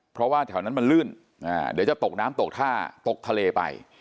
เพราะว่าแถวนั้นมันลื่นเดี๋ยวจะตกน้ำตกท่าตกทะเลไป